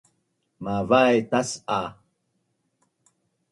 mavai tas’a